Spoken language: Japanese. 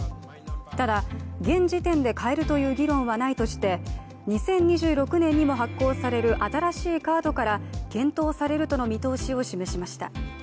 ただ、現時点で変えるという議論はないとして２０２６年にも発行される新しいカードから検討されるとの見通しを示しました。